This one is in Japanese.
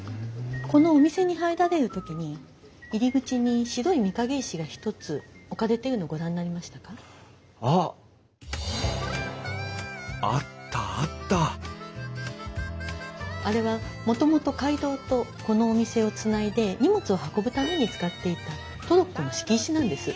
このお店に入られる時に入り口に白い御影石が一つ置かれているのをご覧になりましたか？あっ！あったあったあれはもともと街道とこのお店をつないで荷物を運ぶために使っていたトロッコの敷石なんです。